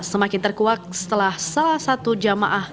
semakin terkuak setelah salah satu jamaah